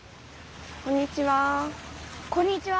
こんにちは。